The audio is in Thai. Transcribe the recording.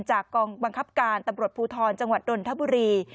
กองบังคับการตำรวจภูทรจังหวัดนนทบุรี